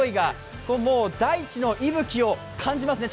もう大地の息吹を感じますね。